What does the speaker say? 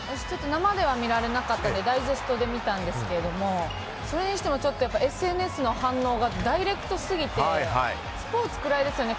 生では見られなくてダイジェストで見たんですけどそれにしてもＳＮＳの反応がダイレクトすぎてスポーツくらいですよね。